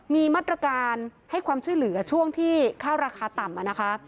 มีมาตรการให้ความช่วยเหลือช่วงที่ข้าวราคาต่ำนะคะ